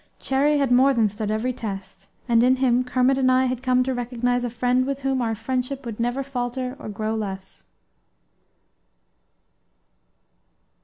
Cherrie had more than stood every test; and in him Kermit and I had come to recognize a friend with whom our friendship would never falter or grow less.